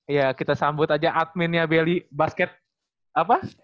iya kita sambut aja adminnya belly basket apa